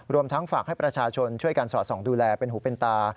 รวมทั้งฝากให้ประชาชนช่วยกันสอดส่องดูแลเป็นหูเป็นตา